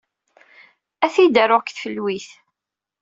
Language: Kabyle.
Ad t-id-aruɣ deg tfelwit.